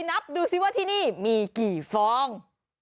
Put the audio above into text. นับดูซิว่าที่นี่มีกี่ฟอง